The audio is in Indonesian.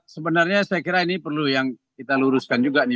sebenarnya saya kira ini perlu yang kita luruskan juga nih